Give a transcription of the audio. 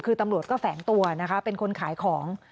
คือตำรวจก็แฝงตัวนะคะเป็นคนขายของ